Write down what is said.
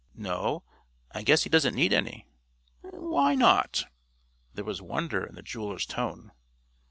"No, I guess he doesn't need any." "Why not?" There was wonder in the jeweler's tone.